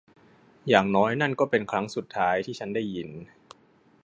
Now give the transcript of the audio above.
อย่างน้อยนั่นก็เป็นครั้งสุดท้ายที่ฉันได้ยิน